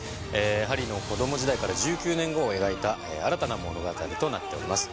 ハリーの子供時代から１９年後を描いた新たな物語となっております